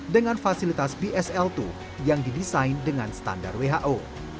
dengan fasilitas bsl dua yang didesain dengan standar who